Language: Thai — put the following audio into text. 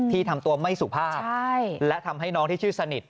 ทำตัวไม่สุภาพและทำให้น้องที่ชื่อสนิท